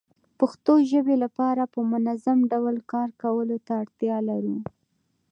پښتو ژبې لپاره په منظمه ډول کار کولو ته اړتيا لرو